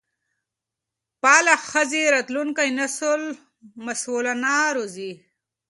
فعاله ښځې راتلونکی نسل مسؤلانه روزي.